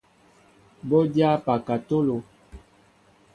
Bɔ dyá pakatolo.